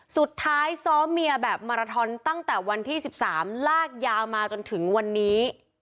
สุดท้ายซ้อมเมียแบบมาราทอนตั้งแต่วันที่๑๓ลากยาวมาจนถึงวันนี้